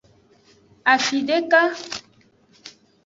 Afideka.